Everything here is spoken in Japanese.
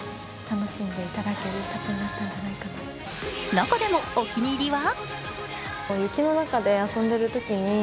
中でもお気に入りは？